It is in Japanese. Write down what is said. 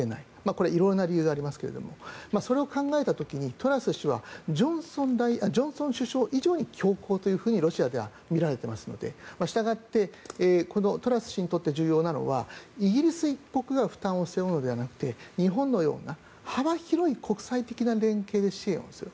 これは色々な理由がありますがそれを考えた時にトラス氏はジョンソン首相以上に強硬というふうにロシアでは見られていますのでしたがってトラス氏にとって重要なのはイギリス一国が負担を背負うのではなくて日本のような幅広い国際的な連携で支援をする。